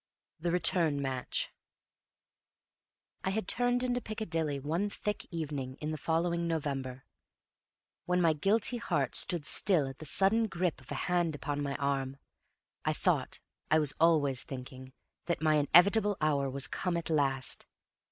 THE RETURN MATCH I had turned into Piccadilly, one thick evening in the following November, when my guilty heart stood still at the sudden grip of a hand upon my arm. I thought I was always thinking that my inevitable hour was come at last.